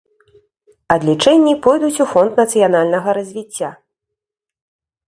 Адлічэнні пойдуць у фонд нацыянальнага развіцця.